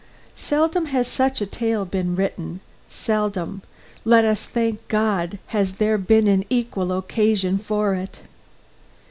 "Seldom has such a tale been written seldom, let us thank God, has there been an equal occasion for it."